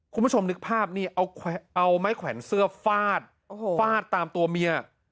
คุณผู้ชมนึกภาพนี่เอาไม้แขวนเสื้อฟาดฟาดตามตัวเมีย